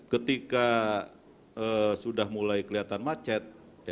ketika sudah mulai kelihatan macet